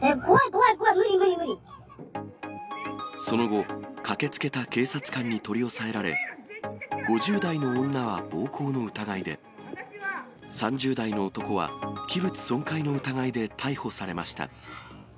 怖い、怖い、怖い、その後、駆けつけた警察官に取り押さえられ、５０代の女は暴行の疑いで、３０代の男は器物損壊の疑いで逮捕されました。